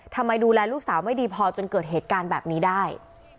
ทำไมดูแลลูกสาวไม่ดีพอจนเกิดเหตุการณ์แบบนี้ได้